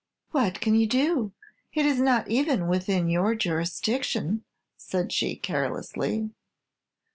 "What can you do? It is not even within your jurisdiction," said she, carelessly.